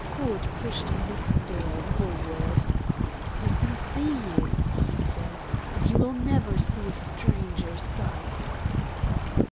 Ford pushed Miss Dale forward. "Let them see you," he said, "and you will never see a stranger sight."